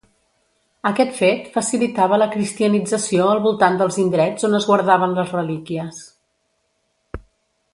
Aquest fet facilitava la cristianització al voltant dels indrets on es guardaven les relíquies.